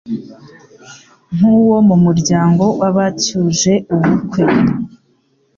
Nk’uwo mu muryango w’abacyuje ubukwe,